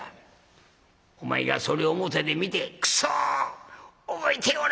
お前がそれを表で見て『クソ！覚えておれ！